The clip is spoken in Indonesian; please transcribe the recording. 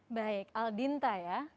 baik aldinta ya